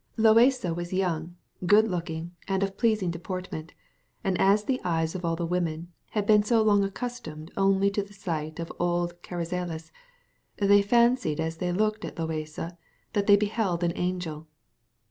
Loaysa was young, good looking, and of pleasing deportment; and as the eyes of all the women had been so long accustomed only to the sight of old Carrizales, they fancied as they looked at Loaysa that they beheld an angel.